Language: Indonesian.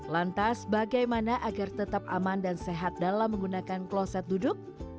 lantas bagaimana agar tetap aman dan sehat dalam menggunakan kloset duduk